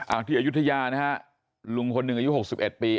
อ่าที่อายุทยานะฮะลุงคนหนึ่งอายุหกสิบเอ็ดปี